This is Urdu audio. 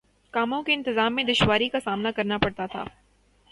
کاموں کے انتظام میں دشواری کا سامنا کرنا پڑتا تھا